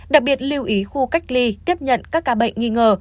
đặc biệt lưu ý khu cách ly tiếp nhận các ca bệnh nghi ngờ